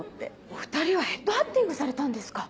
お２人はヘッドハンティングされたんですか。